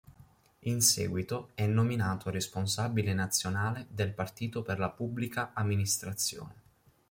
In seguito è nominato responsabile nazionale del partito per la Pubblica amministrazione.